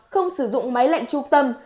không sử dụng máy lệnh trung tâm